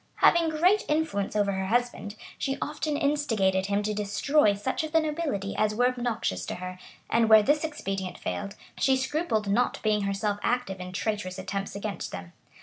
Having great influence over her husband, she often instigated him to destroy such of the nobility as were obnoxious to her; and where this expedient failed, she scrupled not being herself active in traitorous attempts against them.